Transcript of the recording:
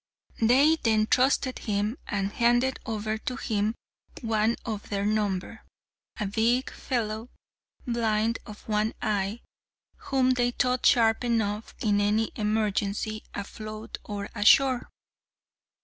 Then they trusted him, and handed over to him one of their number a big fellow, blind of one eye, whom they thought sharp enough in any emergency, afloat or ashore.